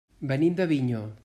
Venim d'Avinyó.